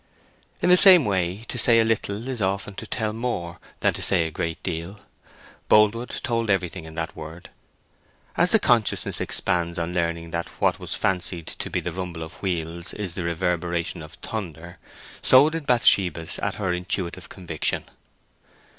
In the same way, to say a little is often to tell more than to say a great deal. Boldwood told everything in that word. As the consciousness expands on learning that what was fancied to be the rumble of wheels is the reverberation of thunder, so did Bathsheba's at her intuitive conviction.